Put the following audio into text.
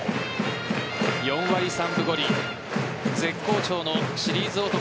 ４割３分５厘絶好調のシリーズ男。